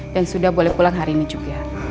dan sudah boleh pulang hari ini juga